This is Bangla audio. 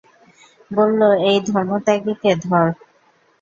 বলল, এই ধর্মত্যাগীকে ধর।